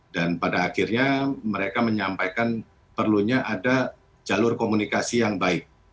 dan pada akhirnya mereka menyampaikan perlunya ada jalur komunikasi yang baik